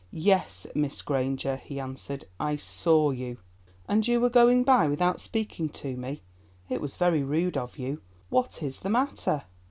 "Yes, Miss Granger," he answered, "I saw you." "And you were going by without speaking to me; it was very rude of you—what is the matter?"